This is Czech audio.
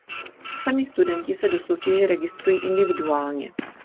Sami studenti se do soutěže registrují individuálně.